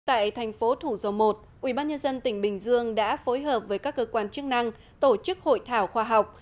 tại thành phố thủ dầu một ubnd tỉnh bình dương đã phối hợp với các cơ quan chức năng tổ chức hội thảo khoa học